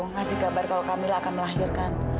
ngasih kabar kalau kami akan melahirkan